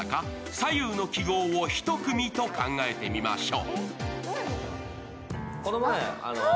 左右の記号を１組と考えてみましょう。